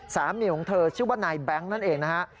สามีของเธอชื่อว่านายแบงค์นั่นเองนะฮะ